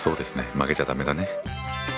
負けちゃ駄目だね。